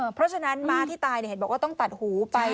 เพราะฉะนั้นม้าที่ตายเห็นบอกว่าต้องตัดหูไป